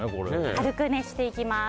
軽く熱していきます。